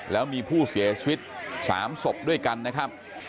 แล้วมีผู้เสียชีวิต๓ศพด้วยกันนะครับ